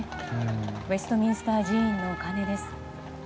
ウェストミンスター寺院の鐘です。